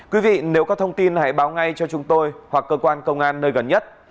quý vị nếu có thông tin hãy báo ngay cho chúng tôi hoặc cơ quan công an nơi gần nhất